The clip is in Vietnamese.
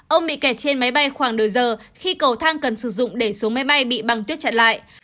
ông bị kẹt trên máy bay khoảng đầu giờ khi cầu thang cần sử dụng để xuống máy bay bị băng tuyết chặn lại